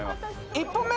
１本目。